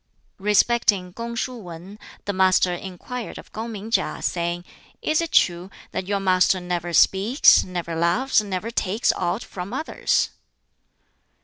Respecting Kung shuh Wan, the Master inquired of Kung ming KiŠ, saying, "Is it true that your master never speaks, never laughs, never takes aught from others?"